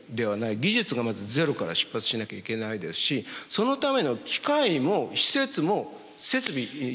技術がまずゼロから出発しなきゃいけないですしそのための機械も施設も整備しなきゃいけない。